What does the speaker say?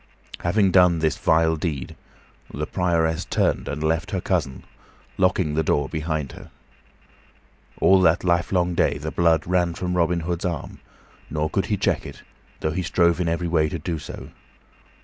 Having done this vile deed, the Prioress turned and left her cousin, locking the door behind her. All that livelong day the blood ran from Robin Hood's arm, nor could he check it, though he strove in every way to do so.